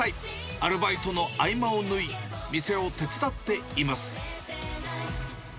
アルバイトの合間を縫い、店を手伝っています。